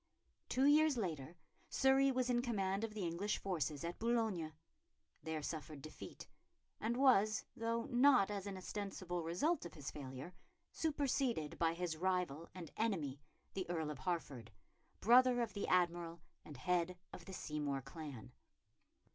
Two years later Surrey was in command of the English forces at Boulogne, there suffered defeat, and was, though not as an ostensible result of his failure, superseded by his rival and enemy, the Earl of Hertford, brother of the Admiral and head of the Seymour clan.